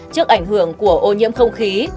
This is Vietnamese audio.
trước ảnh hưởng của ô nhiễm không khí